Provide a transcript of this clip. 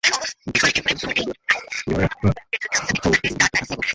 কিন্তু কালচার করার জন্য মিডিয়াম এবং এক্সপ্লান্ট অবশ্যই জীবাণুমুক্ত থাকা আবশ্যক।